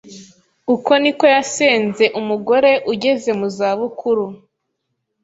"Uku ni ko yasenze Umugore ugeze mu za bukuru